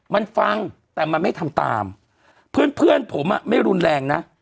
มันฟังแต่มันไม่ทำตามเพื่อนเพื่อนผมอ่ะไม่รุนแรงนะ